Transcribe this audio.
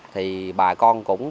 thì bà con cũng